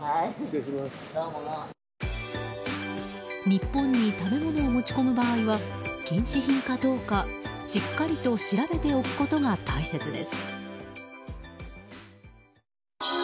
日本に食べ物を持ち込む場合は禁止品かどうか、しっかりと調べておくことが大切です。